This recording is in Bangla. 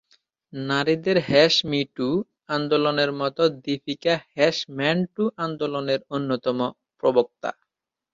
নারীদের হ্যাশ মি টু আন্দোলনের মত দীপিকা হ্যাশ মেন টু আন্দোলনের অন্যতম প্রবক্তা।